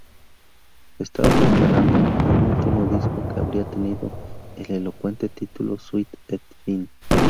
Estaba preparando un último disco que habría tenido el elocuente título ""Suite et Fin"".